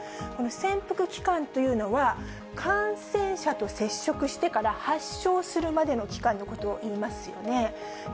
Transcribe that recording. この潜伏期間というのは、感染者と接触してから発症するまでの期間のことをいいますよね。